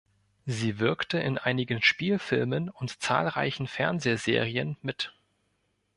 Sie wirkte in einigen Spielfilmen und zahlreichen Fernsehserien mit.